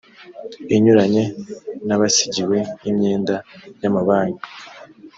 inyuranye n abasigiwe imyenda y amabanki